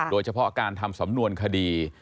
โดยเฉพาะการทำสำนวนคดี